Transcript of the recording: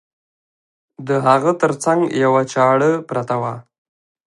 د هغه تر څنګ یوه چاړه پرته وه.